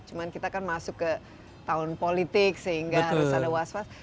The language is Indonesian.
cuma kita kan masuk ke tahun politik sehingga harus ada was was